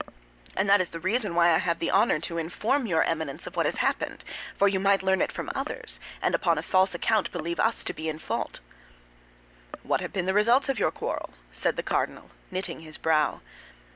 "And that is the reason why I have the honor to inform your Eminence of what has happened; for you might learn it from others, and upon a false account believe us to be in fault." "What have been the results of your quarrel?" said the cardinal, knitting his brow.